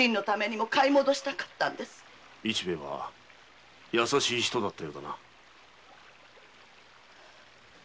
市兵衛は優しい人だったようだな。